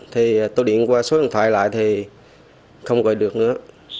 thì tôi điện qua số điện thoại lại thì không gọi được nữa